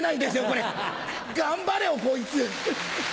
これ頑張れよこいつ。